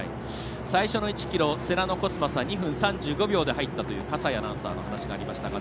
最初の１ｋｍ世羅のコスマスは２分３５秒で入ったという笠井アナウンサーの話がありました。